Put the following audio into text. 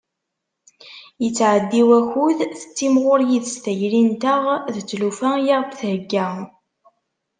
Yettɛeddi wakud tettimɣur yid-s tayri-nteɣ d tlufa i aɣ-d-thegga.